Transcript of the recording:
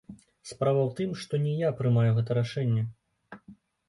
Справа ў тым, што не я прымаю гэта рашэнне.